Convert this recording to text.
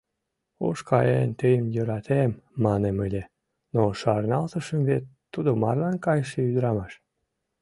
«Уш каен тыйым йӧратем» маннем ыле, но шарналтышым, вет тудо марлан кайыше ӱдырамаш.